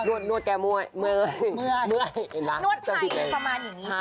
ใช่นวดแก้เมื่อยเมื่อยเมื่อยเห็นแล้วนวดไทยประมาณอย่างนี้ใช่ไหมคะ